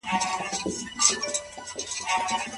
کره کتونکي هم ځانګړی لید لري.